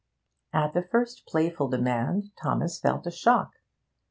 At the first playful demand Thomas felt a shock.